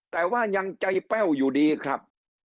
แต่ว่ายังใจแป้วอยู่ดีครับ